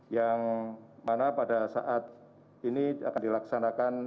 yang mana pada saat ini akan dilaksanakan